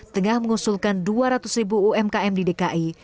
tengah mengusulkan dua ratus ribu umkm di dki